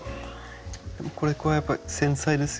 これはやっぱり繊細ですよね。